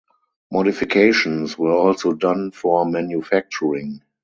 Modifications were also done for manufacturing.